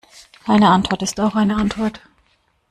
Keine Antwort ist auch eine Antwort.